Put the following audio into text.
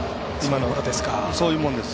そういうものです。